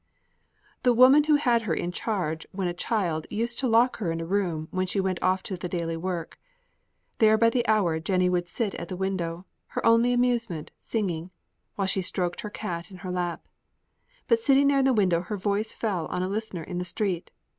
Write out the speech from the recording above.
The woman who had her in charge when a child used to lock her in a room when she went off to the daily work. There by the hour Jenny would sit at the window, her only amusement singing, while she stroked her cat on her lap. But sitting there by the window her voice fell on a listener in the street.